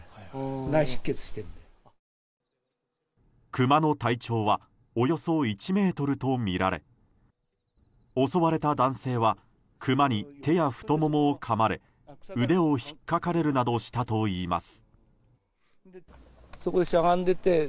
クマの体長はおよそ１ｍとみられ襲われた男性はクマに手や太ももをかまれ腕をひっかかれるなどしたといいます。